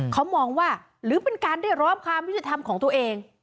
เขามองว่าหรือเป็นการเรียกร้องความยุติธรรมของตัวเอง